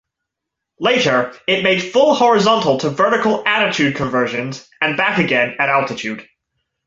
Later, it made full horizontal to vertical attitude conversions and back again at altitude.